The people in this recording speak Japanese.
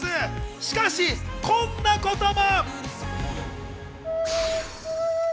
しかし、こんなことも。